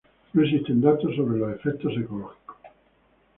No existen datos sobre los efectos ecológicos.